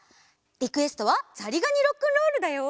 リクエストは「ざりがにロックンロール」だよ！